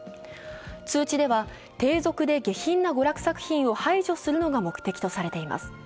通知では低俗で下品な娯楽作品を排除することが目的とされています。